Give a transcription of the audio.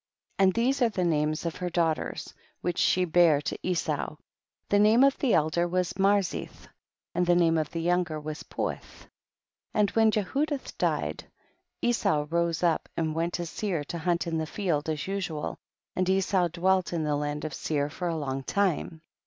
22. And these are the names of her daughters which she bare to Esau, the name of the elder was Marzith, and the name of the younger was Puith. 23. And when Jehudilh died, Esau rose up and went to Seir to hunt in the field, as usual, and Esau dwelt in the land of Seir for a long time.